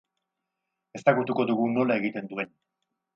Ezagutuko dugu nola egiten duen.